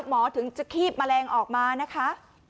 ถึงจะคีบแมลงออกมานะคะ